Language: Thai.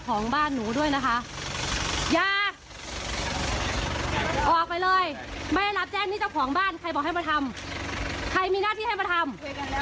ออกไปเลยแม่ลับแจ้งนี่เจ้าของบ้านใครบอกให้มาทำใครมีหน้าที่ให้มาทำ